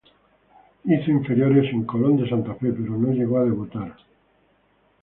Hizo inferiores en Colón de Santa Fe, pero no llegó a debutar.